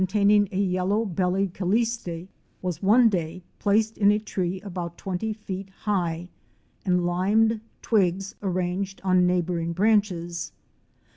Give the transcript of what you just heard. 127 taining a Yellow bellied Calliste *' was one day placed in a tree about twenty feet high, and limed twigs arranged on neighboring branches.